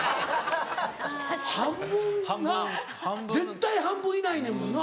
半分な絶対半分いないねんもんな。